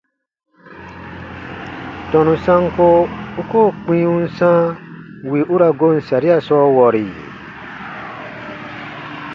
Tɔnu sanko u koo kpĩ u n sãa wì u ra goon saria sɔɔ wɔri?